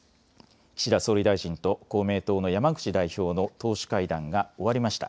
岸田総理大臣と公明党の山口代表の党首会談が終わりました。